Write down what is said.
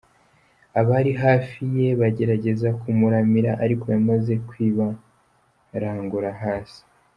Abari hafi ye bagerageza kumuramira ariko yamaze kwibarangura hasi.